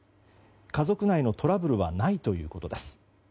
家族内のトラブルはないということです。